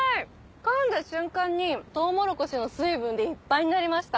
噛んだ瞬間にトウモロコシの水分でいっぱいになりました。